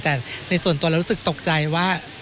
แต่ในส่วนตัวเรารู้สึกตกใจว่า